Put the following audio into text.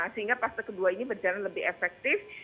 sehingga fase kedua ini berjalan lebih efektif